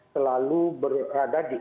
selalu berada di